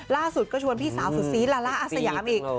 ล่าสุดก็ชวนพี่สาวสุดซีลาล่าอาสยามอีก